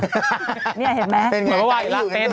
นี่เห็นไหม